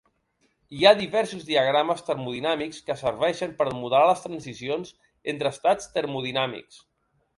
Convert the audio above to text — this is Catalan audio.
Hi ha diversos diagrames termodinàmics que serveixen per modelar les transicions entre estats termodinàmics.